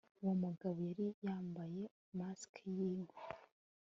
Uwo mugabo yari yambaye mask yingwe